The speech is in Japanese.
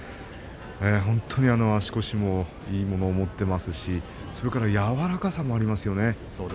本当に足腰もいいものを持っていますしそれから柔らかさがありますよね。